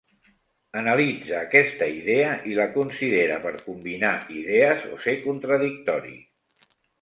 Analitza aquesta idea i la considera per combinar idees o ser contradictori.